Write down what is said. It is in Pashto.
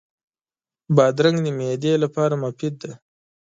بادرنګ د معدې لپاره مفید دی.